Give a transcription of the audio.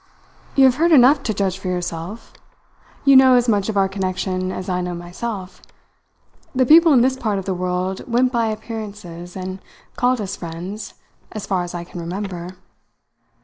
"You have heard enough to judge for yourself. You know as much of our connection as I know myself. The people in this part of the world went by appearances, and called us friends, as far as I can remember.